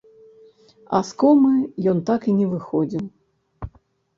А з комы ён так і не выходзіў.